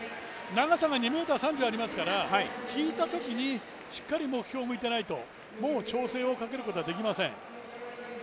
長さが２ｍ３０ありますから、引いたときにしっかり目標向いてないともう調整をかけることはできません。